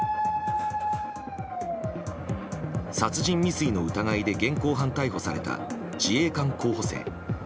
殺人未遂の疑いで現行犯逮捕された自衛官候補生。